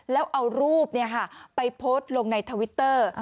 แล้วเอารูปไปโพสต์ลงในทวิตเตอร์